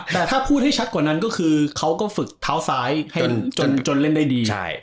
แต่ถ้าพูดให้ชัดกว่านั้นก็คือเขาก็ฝึกเท้าซ้ายให้จนเล่นได้ดี